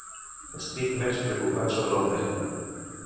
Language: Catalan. Estic menys preocupat sobre la feina.